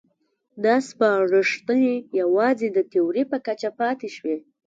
دا سپارښتنې یوازې د تیورۍ په کچه پاتې شوې.